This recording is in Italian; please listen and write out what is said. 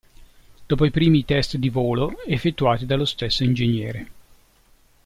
Dopo i primi test di volo, effettuati dallo stesso ing.